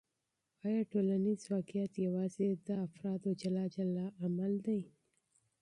آیا ټولنیز واقعیت یوازې د افرادو جلا جلا عمل دی؟